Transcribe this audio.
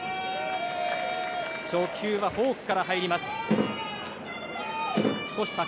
初球は、フォークから入りました。